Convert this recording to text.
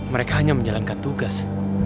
mereka hanya menjalankan tugas